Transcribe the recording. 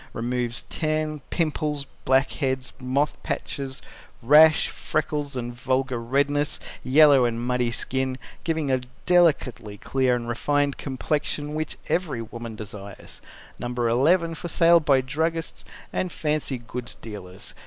Removes Tan, Pimples, Blackheads, Moth Patches, Rash, Freckles and Vulgar Redness, Yellow and Muddy Skin, giving a delicately clear and refined complexion which every woman desires. No. 11. For sale by Druggists and Fancy Goods Dealers.